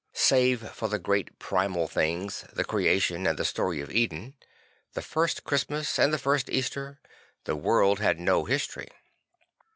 Save for the great primal things, the Creation and the Story of Eden, the first Christmas and the first Easter, the world had no history.